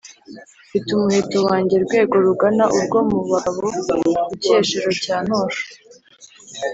mfite umuheto wanjye Rwego rugana urwo mu bagabo ku Cyeshero cya Ntosho,